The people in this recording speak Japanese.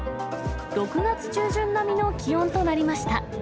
６月中旬並みの気温となりました。